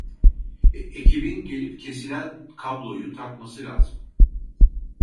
Ekibin gelip kesilen kabloyu takması lazım.